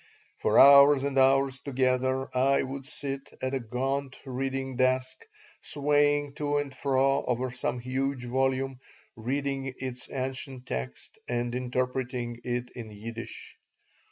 For hours and hours together I would sit at a gaunt reading desk, swaying to and fro over some huge volume, reading its ancient text and interpreting it in Yiddish.